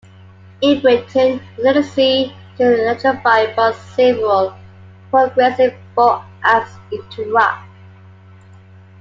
In Britain the tendency to electrify brought several progressive folk acts into rock.